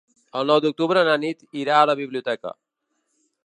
El nou d'octubre na Nit irà a la biblioteca.